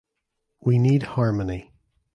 We need harmony.